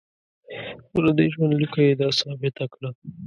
خو له دې ژوندلیکه یې دا ثابته کړه.